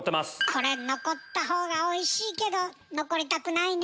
これ残った方がおいしいけど残りたくないね。